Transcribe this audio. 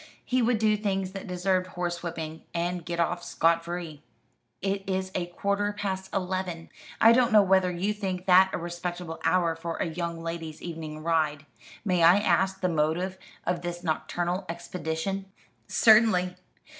He would do things that deserved horsewhipping, and get off scot free. "It is a quarter past eleven. I don't know whether you think that a respectable hour for a young lady's evening ride. May I ask the motive of this nocturnal expedition?" "Certainly.